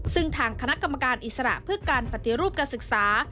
ซึ่งทางคณะกรรมการอิสระเพื่อการปฏิรูปการศึกษา